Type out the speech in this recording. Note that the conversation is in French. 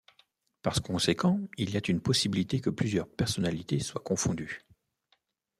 Par conséquent, il y a une possibilité que plusieurs personnalités soient confondu.